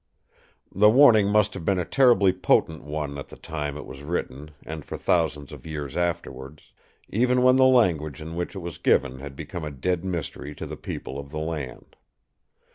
"The warning must have been a terribly potent one at the time it was written and for thousands of years afterwards; even when the language in which it was given had become a dead mystery to the people of the land.